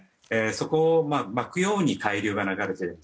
そこを巻くように海流が流れている。